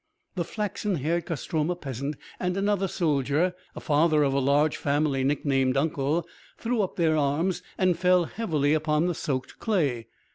The flaxen haired Kostroma peasant and another soldier, a father of a large family, nick named "uncle," threw up their arms and fell heavily upon the soaked clay.